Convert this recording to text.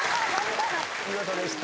見事でした。